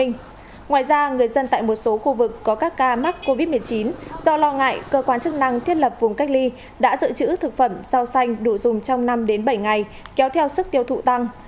ngoài ra người dân tại một số khu vực có các ca mắc covid một mươi chín do lo ngại cơ quan chức năng thiết lập vùng cách ly đã dự trữ thực phẩm sao xanh đủ dùng trong năm bảy ngày kéo theo sức tiêu thụ tăng